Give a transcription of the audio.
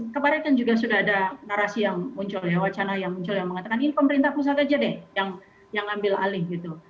kebarikan juga sudah ada narasi yang muncul wacana yang muncul yang mengatakan ini pemerintah pusat saja deh yang ambil alih